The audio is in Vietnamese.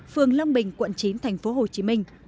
phường lâm bình quận chín tp hcm